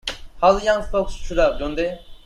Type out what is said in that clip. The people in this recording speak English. How the young folk shoot up, don't they?